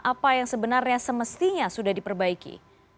apa yang sebenarnya semestinya sudah diperbaiki